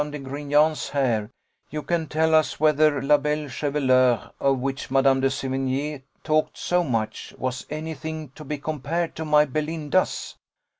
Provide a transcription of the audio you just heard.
de Grignan's hair, you can tell us whether la belle chevelure, of which Mad. de Sevigné talked so much, was any thing to be compared to my Belinda's."